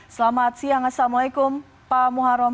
selamat siang assalamualaikum pak muharrem